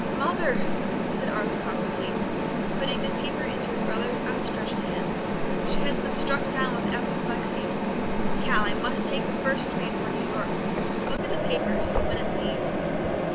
"Mother!" said Arthur huskily, putting the paper into his brother's outstretched hand. "She has been struck down with apoplexy. Cal, I must take the first train for New York. Look at the paper, see when it leaves.